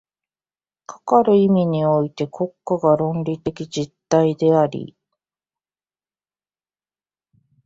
かかる意味において国家が倫理的実体であり、